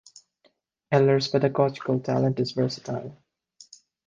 Eller's pedagogical talent is versatile.